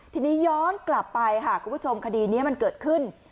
ทีนี้ย้อนกลับไปค่ะคุณผู้ชมคดีนี้มันเกิดขึ้น